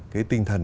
cái tinh thần